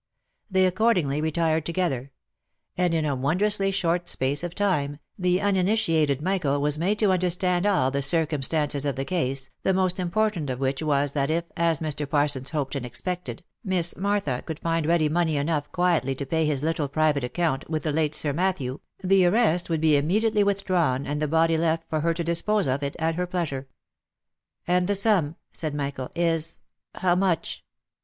They accordingly retired together ; and in a wondrously short space of time the uninitiated Michael was made to understand all the circum stances of the case, the most important of which was that if, as Mr. Parsons hoped and expected, Miss Martha could find ready money enough quietly to pay his little private account with the late Sir Matthew, the arrest would be immediately withdrawn, and the body left for her to dispose of it at her pleasure. " And the sum," said Michael, " is — how much